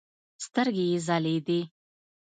سترګې يې ځلېدې.